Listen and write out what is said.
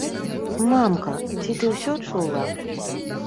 Мамка, ці ты ўсё чула?